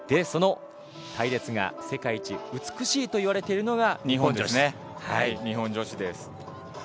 その隊列が世界一美しいといわれているのが日本女子ですね。